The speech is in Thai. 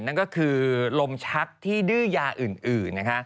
และก็คือลมชักที่ดื้อยาอื่น